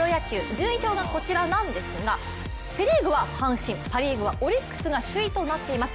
順位表がこちらなんですがセ・リーグは阪神パ・リーグはオリックスが首位となっています。